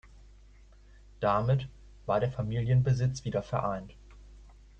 Damit war der Familienbesitz wieder vereint.